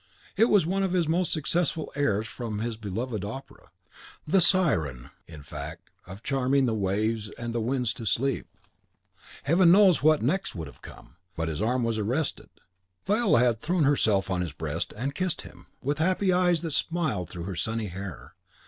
It was one of his most successful airs from his beloved opera, the Siren in the act of charming the waves and the winds to sleep. Heaven knows what next would have come, but his arm was arrested. Viola had thrown herself on his breast, and kissed him, with happy eyes that smiled through her sunny hair.